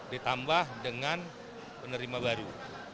ditambah dengan penerima baru